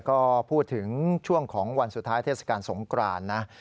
ก็พูดถึงช่วงของวันสุดท้ายเทศกาลสงกรานนะ